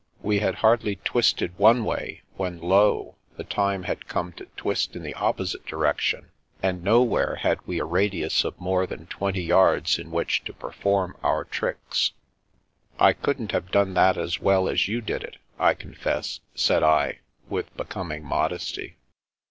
We had hardly twisted one way when lo ! the time had come to twist in the opposite direction, and nowhere had we a radius of more than twenty yards in which to perform our tricks. " I couldn't have done that as well as you did it, I confess," said I, with becoming modesty.